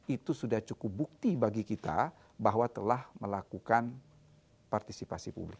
itu sudah cukup bukti bagi kita bahwa telah melakukan partisipasi publik